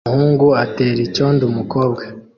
Umuhungu atera icyondo umukobwa